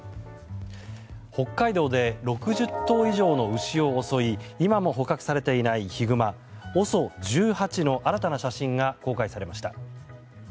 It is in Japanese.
北海道で６０頭以上の牛を襲い今も捕獲されていないヒグマＯＳＯ１８の新たな写真が公開されました。